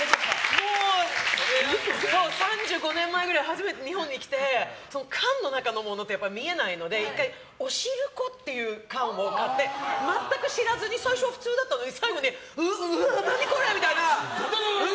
３５年前くらいに初めて日本に来て缶の中のものって見えないので１回おしるこっていう缶を買って全く知らずに最初は普通だったのに最後にうわあ、何これみたいな。